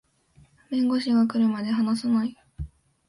弁護士が来るまで話さない